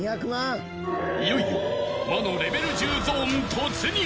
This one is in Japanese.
［いよいよ魔のレベル１０ゾーン突入］